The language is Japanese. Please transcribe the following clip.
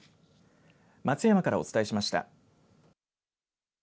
松山からお伝えしました。